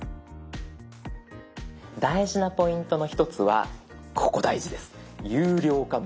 大事なポイントの一つはここ大事です。